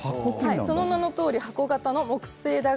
その名のとおり箱型の木製打